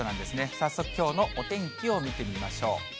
早速、きょうのお天気を見てみましょう。